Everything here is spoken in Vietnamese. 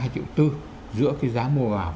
hai triệu bốn giữa cái giá mua vàng